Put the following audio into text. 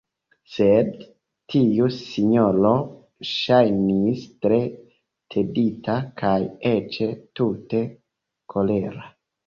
Sed tiu sinjoro ŝajnis tre tedita, kaj eĉ tute kolera.